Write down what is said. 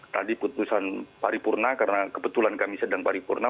tadi putusan paripurna karena kebetulan kami sedang paripurna